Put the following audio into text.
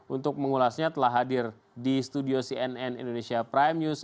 untuk mengulasnya telah hadir di studio cnn indonesia prime news